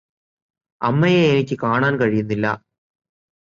അമ്മയെ എനിക്ക് കാണാൻ കഴിയുന്നില്ല